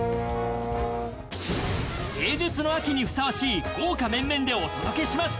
芸術の秋にふさわしい豪華面々でお届けします。